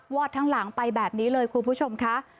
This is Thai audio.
อดทั้งหลังไปแบบนี้เลยคุณผู้ชมค่ะ